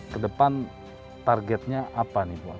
kedepan targetnya apa bu